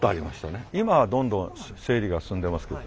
今はどんどん整理が進んでますけど。